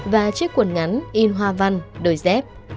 và chiếc quần ngắn in hoa văn đôi dép